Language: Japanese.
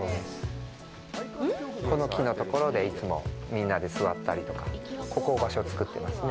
この木のところで、いつもみんなで座ったりとか、ここ、場所をつくってますね。